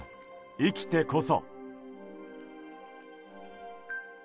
生きてこそ！」。